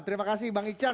terima kasih bang iksan